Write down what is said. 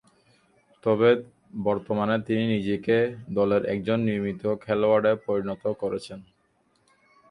তবে বর্তমানে তিনি নিজেকে দলের একজন নিয়মিত খেলোয়াড়ে পরিণত করেছেন।